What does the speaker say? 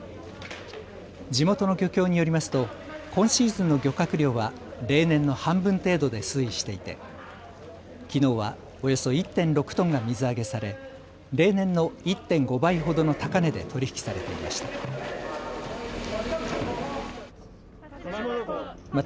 地元の漁協によりますと今シーズンの漁獲量は例年の半分程度で推移していてきのうはおよそ１．６トンが水揚げされ例年の１．５倍ほどの高値で取り引きされていました。